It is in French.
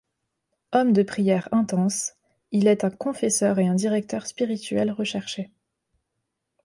Homme de prière intense, il est un confesseur et un directeur spirituel recherché.